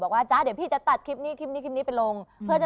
จ๊ะเดี๋ยวพี่จะตัดคลิปนี้คลิปนี้คลิปนี้ไปลงเพื่อจะ